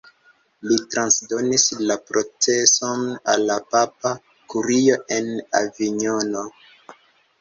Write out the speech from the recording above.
Li transdonis la proceson al la papa kurio en Avinjono.